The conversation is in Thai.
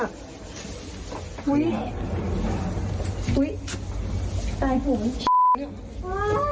ตายผม